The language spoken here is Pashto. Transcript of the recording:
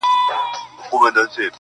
• ستا په دې معاش نو کمه خوا سمېږي..